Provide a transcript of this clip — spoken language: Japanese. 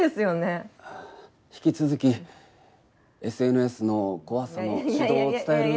ああ引き続きＳＮＳの怖さの指導を伝える。